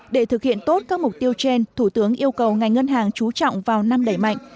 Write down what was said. để thực hiện tốt các mục tiêu trên thủ tướng yêu cầu ngành ngân hàng trú trọng vào năm đẩy mạnh